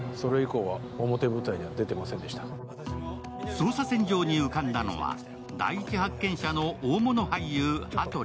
捜査線上に浮かんだのは、第一発見者の大物俳優・羽鳥。